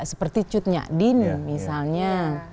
seperti cut nyak din misalnya